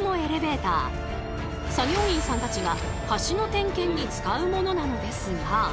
作業員さんたちが橋の点検に使うものなのですが。